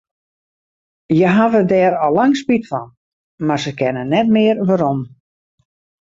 Hja hawwe dêr al lang spyt fan, mar se kinne net mear werom.